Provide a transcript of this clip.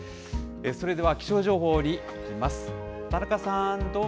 では気象情報にいきます。